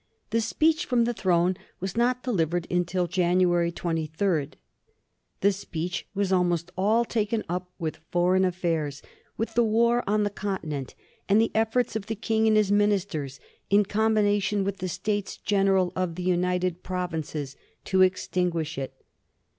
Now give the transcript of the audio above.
The speech from the throne was not delivered until January 23. The speech was almost all taken up with foreign affairs, with the war on the Continent, and the efforts of the King and his ministers, in combination with the States General of the United Provinces, to extinguish it.